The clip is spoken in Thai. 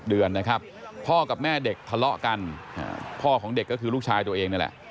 อย่าอย่าอย่าอย่าอย่าอย่าอย่าอย่าอย่าอย่าอย่าอย่าอย่าอย่าอย่า